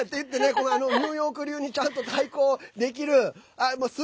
これはニューヨーク流にちゃんと対抗できてます。